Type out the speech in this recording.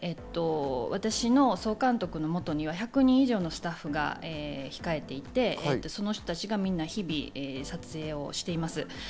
総監督のもとには１００人以上のスタッフが控えていて、日々撮影をしています。